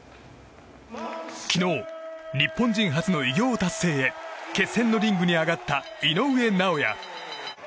昨日、日本人初の偉業達成へ決戦のリングに上がった井上尚弥。